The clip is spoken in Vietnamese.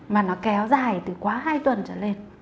mà nó kéo dài từ quá hai tuần trở lên